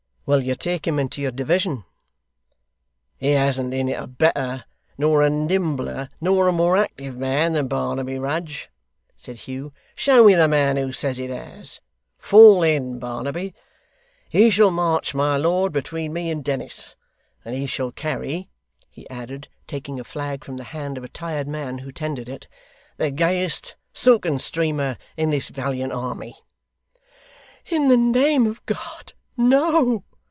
'Will you take him into your division?' 'It hasn't in it a better, nor a nimbler, nor a more active man, than Barnaby Rudge,' said Hugh. 'Show me the man who says it has! Fall in, Barnaby. He shall march, my lord, between me and Dennis; and he shall carry,' he added, taking a flag from the hand of a tired man who tendered it, 'the gayest silken streamer in this valiant army.' 'In the name of God, no!